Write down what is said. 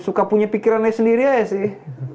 suka punya pikirannya sendiri aja sih